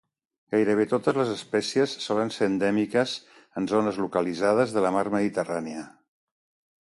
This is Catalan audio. Gairebé totes les espècies solen ser endèmiques en zones localitzades de la mar Mediterrània.